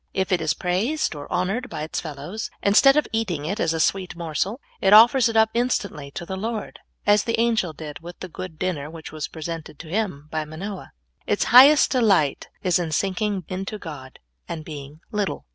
If it is praised or honored by its fellows, instead of eating it as a sweet morsel, it offers it up instantly to the Lord, as the angel did with the good dinner which w^as presented to him by Manoah. Its highest delight is in sinking into God and being little.